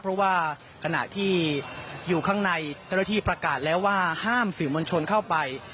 เพราะว่าขณะที่อยู่ข้างในเจ้าหน้าที่ประกาศแล้วว่าห้ามสื่อมวลชนเข้าไป